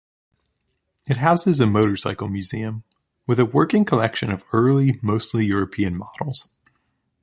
It houses a motorcycle museum with a working collection of early, mostly European models.